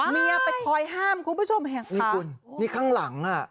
เมียไปคอยห้ามคุณผู้ชมเห็นนี่คุณนี่ข้างหลังอ่ะ